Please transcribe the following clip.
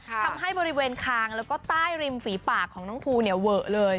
ทำให้บริเวณคางแล้วก็ใต้ริมฝีปากของน้องภูเนี่ยเวอะเลย